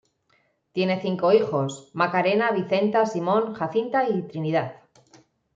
Tiene cinco hijos; Macarena, Vicenta, Simón, Jacinta y Trinidad.